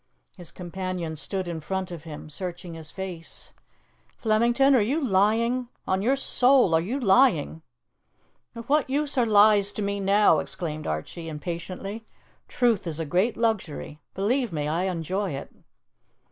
His companion stood in front of him, searching his face. "Flemington, are you lying? On your soul, are you lying?" "Of what use are lies to me now?" exclaimed Archie impatiently. "Truth is a great luxury; believe me, I enjoy it."